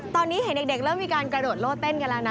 ตอนนี้เห็นเด็กเริ่มมีการกระโดดโล่เต้นกันแล้วนะ